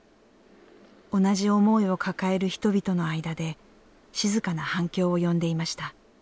同じ思いを抱える人々の間で静かな反響を呼んでいました。